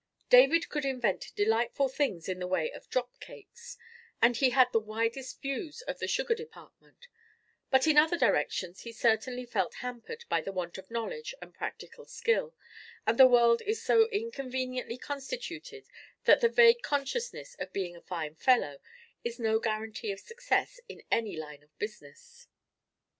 David could invent delightful things in the way of drop cakes, and he had the widest views of the sugar department; but in other directions he certainly felt hampered by the want of knowledge and practical skill; and the world is so inconveniently constituted, that the vague consciousness of being a fine fellow is no guarantee of success in any line of business.